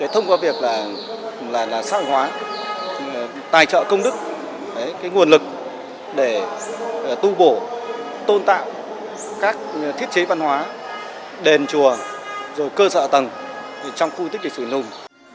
thông qua việc xã hội hóa tài trợ công đức nguồn lực để tu bổ tôn tạo các thiết chế văn hóa đền chùa cơ sở tầng trong khu tích lịch sử lùng